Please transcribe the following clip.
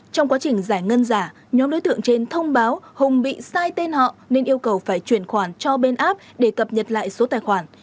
trong quá trình giải ngân giả nhóm đối tượng trên thông báo hùng bị sai tên họ nên yêu cầu phải chuyển khoản cho bên app để cập nhật lại số tài khoản